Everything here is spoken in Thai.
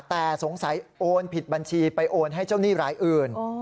แต่สงสัยโอนผิดบัญชีไปโอนให้เจ้าหนี้รายอื่น